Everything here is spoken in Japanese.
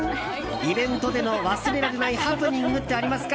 イベントでの忘れられないハプニングってありますか？